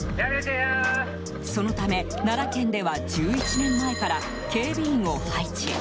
そのため、奈良県では１１年前から警備員を配置。